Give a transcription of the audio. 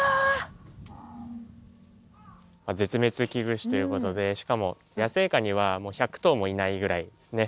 絶滅危惧種ということでしかも野生下には１００頭もいないぐらいですね